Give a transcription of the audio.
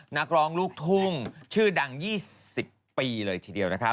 นักร้องลูกทุ่งชื่อดัง๒๐ปีเลยทีเดียวนะคะ